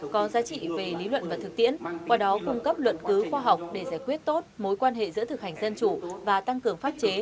có giá trị về lý luận và thực tiễn qua đó cung cấp luận cứu khoa học để giải quyết tốt mối quan hệ giữa thực hành dân chủ và tăng cường pháp chế